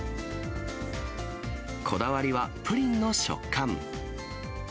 こだわりはプリンの食感。